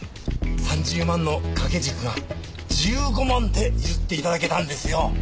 ３０万の掛け軸が１５万で譲って頂けたんですよ。